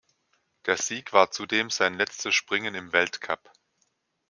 Der Sieg war zudem sein letztes Springen im Weltcup.